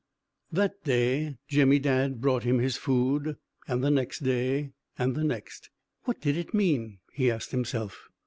That day Jemmy Dadd brought him his food, and the next day, and the next. "What did it mean?" he asked himself.